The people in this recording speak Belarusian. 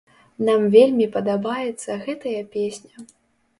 Нам вельмі падабаецца гэтая песня.